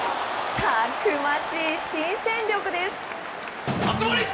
たくましい新戦力です。